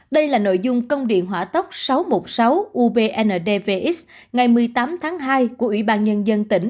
đây là nội dung công điện hỏa tốc sáu trăm một mươi sáu ubndvs ngày một mươi tám tháng hai của ủy ban nhân dân tỉnh